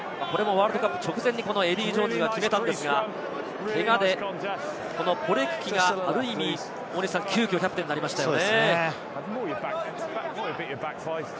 ワールドカップ直前にエディー・ジョーンズが決めたんですが、けがでポレクキが急きょキャプテンになりましたね。